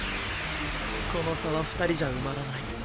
この差は２人じゃ埋まらない。